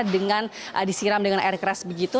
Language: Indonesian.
dengan disiram dengan air keras begitu